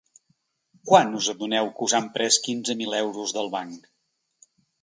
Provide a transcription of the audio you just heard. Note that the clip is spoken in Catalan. Quan us adoneu que us han pres quinze mil euros del banc?